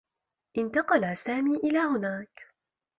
انتقل سامي إلى هناك.